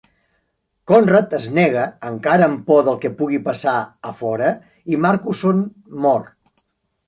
Conrad es nega, encara amb por del que pugui passar a fora, i Marcusson mor.